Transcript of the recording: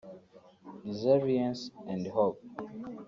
Resilience and Hope”